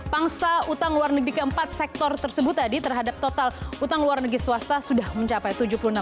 pangsa utang luar negeri keempat sektor tersebut tadi terhadap total utang luar negeri swasta sudah mencapai tujuh puluh enam triliun